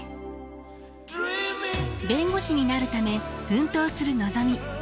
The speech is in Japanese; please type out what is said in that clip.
弁護士になるため奮闘するのぞみ。